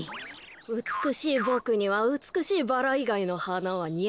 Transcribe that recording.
うつくしいボクにはうつくしいバラいがいのはなはにあわないからね。